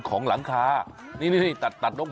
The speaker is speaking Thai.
ของหลังคา